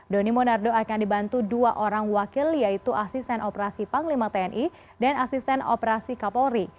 doni monardo akan dibantu dua orang wakil yaitu asisten operasi panglima tni dan asisten operasi kapolri